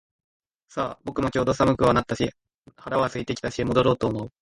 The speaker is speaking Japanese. さあ、僕もちょうど寒くはなったし腹は空いてきたし戻ろうと思う